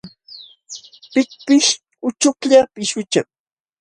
Pikpish uchuklla pishqucham.